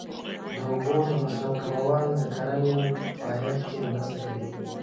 د اوبو د مصرف کمول د کرنې په پایښت کې مرسته کوي.